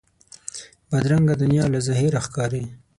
بدرنګه دنیا له ظاهره ښکاري